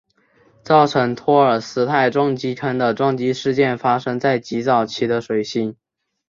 造成托尔斯泰撞击坑的撞击事件发生在极早期的水星。